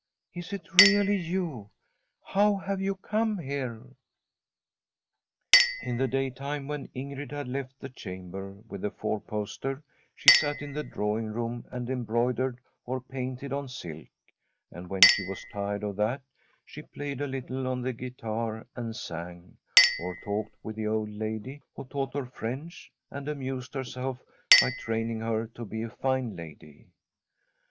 Is it really you ? How have you come here ?' In the daytime, when Ingrid had left the cham ber with the four poster, she sat in the drawing room and embroidered or painted on silk, and when she was tired of that, she played a little on the guitar and sang, or talked with the old lady, who taught her French, and amused herself by training her to be a fine lady.